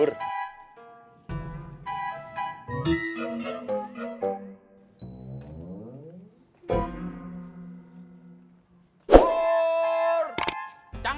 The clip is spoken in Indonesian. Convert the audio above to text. itu bo braces dimana ya